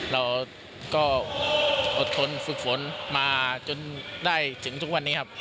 เราก็อดทนฝึกฝนมาจนได้ถึงทุกวันนี้ครับ